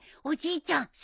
おじいちゃん